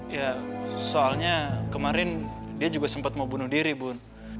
ya soalnya kemarin dia juga sempat mau bunuh diri bun